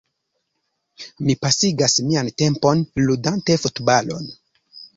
Mi pasigas mian tempon ludante futbalon.